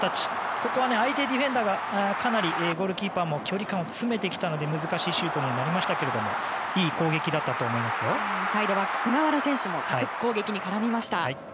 ここは相手ディフェンダーがかなり距離感を詰めてきたので難しいシュートになりましたがサイドバック菅原選手も早速、攻撃に絡みました。